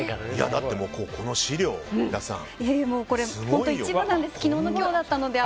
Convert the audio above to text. だって、この資料、皆さん。